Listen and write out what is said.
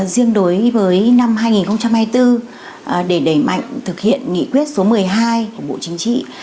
riêng đối với năm hai nghìn hai mươi bốn để đẩy mạnh thực hiện nghị quyết số một mươi hai của bộ chính trị